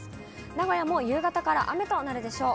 名古屋も夕方から雨となるでしょう。